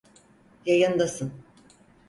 Yayındasın.